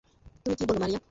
তুমি কী বলো, মারিয়া?